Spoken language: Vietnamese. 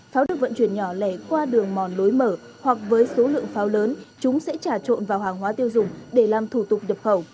pháo được vận chuyển nhỏ lẻ qua đường mòn lối mở hoặc với số lượng pháo lớn chúng sẽ trả trộn vào hàng hóa tiêu dùng để làm thủ tục nhập khẩu